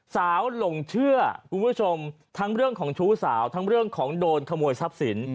หลงเชื่อคุณผู้ชมทั้งเรื่องของชู้สาวทั้งเรื่องของโดนขโมยทรัพย์สิน